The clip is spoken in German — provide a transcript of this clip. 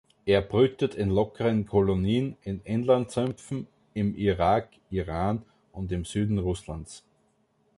Er brütet in lockeren Kolonien in Innlandsümpfen im Irak, Iran und im Süden Russlands.